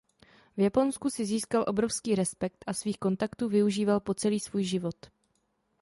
V Japonsku si získal obrovský respekt a svých kontaktů využíval po celý svůj život.